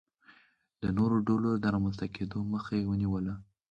د نورو ډلو د رامنځته کېدو مخه یې ونیوله.